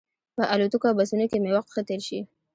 په الوتکو او بسونو کې مې وخت ښه تېر شي.